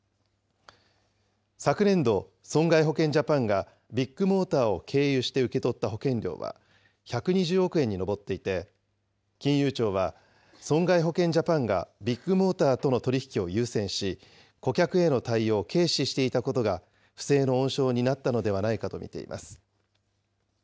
昨年度、損害保険ジャパンがビッグモーターを経由して受け取った保険料は１２０億円に上っていて、金融庁は、損害保険ジャパンがビッグモーターとの取り引きを優先し、顧客への対応を軽視していたことが、不正の温床になったのではないかと見ています。